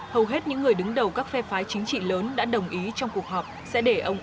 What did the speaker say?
hầu hết những người đứng đầu các phe phái chính trị lớn đã đồng ý trong cuộc họp sẽ để ông